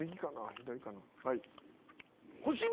左かな？